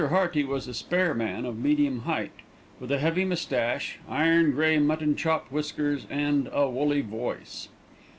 Hearty was a spare man of medium height, with a heavy moustache, iron grey mutton chop whiskers, and a woolly voice.